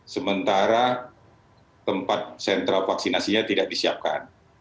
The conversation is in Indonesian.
sementara tempat sentra vaksinasinya tidak disiapkan